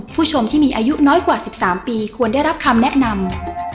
ผู้ชมที่มีอายุน้อยกว่า๑๓ปีควรได้รับคำแนะนำ